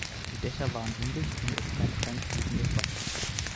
Die Dächer waren undicht, und es gab kein fließendes Wasser.